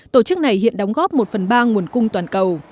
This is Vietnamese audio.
tổ chức này hiện đóng góp một phần ba nguồn cung toàn cầu